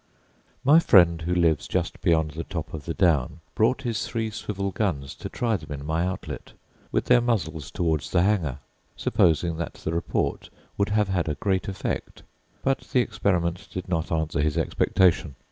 My friend who lives just beyond the top of the down, brought his three swivel guns to try them in my outlet, with their muzzles towards the Hanger, supposing that the report would have had a great effect; but the experiment did not answer his expectation.